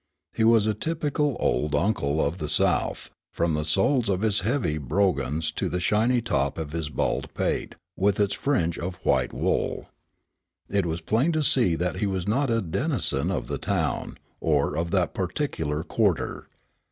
He was a typical old uncle of the South, from the soles of his heavy brogans to the shiny top of his bald pate, with its fringe of white wool. It was plain to be seen that he was not a denizen of the town, or of that particular quarter.